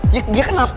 ya dia kenapa